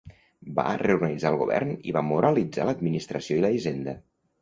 Va reorganitzar el govern i va moralitzar l'administració i la hisenda.